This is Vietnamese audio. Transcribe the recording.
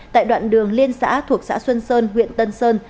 tại đoạn đường liên xã thuộc xã xuân sơn huyện tân sơn